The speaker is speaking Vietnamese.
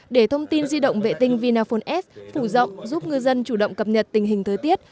để thông tin di động vệ tinh vinaphone s phủ rộng giúp ngư dân chủ động cập nhật tình hình thời tiết